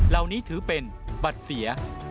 เหล่านี้ถือเป็นบัตรเสีย